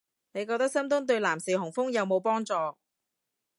你覺得深蹲對男士雄風有冇幫助